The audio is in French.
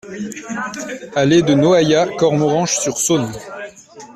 Allée de Noaillat, Cormoranche-sur-Saône